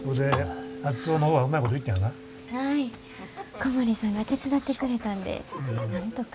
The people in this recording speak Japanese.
小森さんが手伝ってくれたんでなんとか。